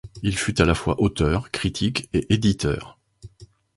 Il fut à la fois auteur, critique et éditeur.